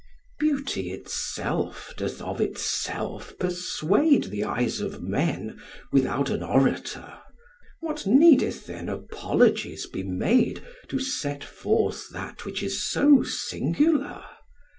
Beauty itself doth of itself persuade The eyes of men without an orator; What needeth then apologies be made, To set forth that which is so singular?